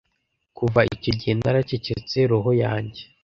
kuva icyo gihe naracecetse roho yanjye